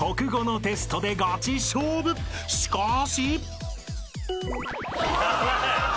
［しかーし！］